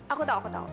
aku tau aku tau